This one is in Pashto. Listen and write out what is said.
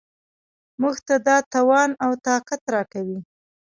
موږ ته دا توان او طاقت راکوي.